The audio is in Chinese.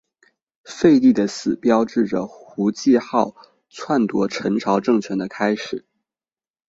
废帝的死标志着胡季牦篡夺陈朝政权的开始。